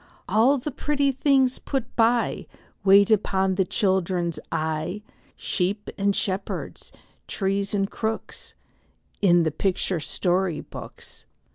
All the pretty things put by, Wait upon the children's eye, Sheep and shepherds, trees and crooks, In the picture story books.